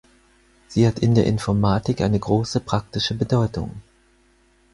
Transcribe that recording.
Sie hat in der Informatik eine große praktische Bedeutung.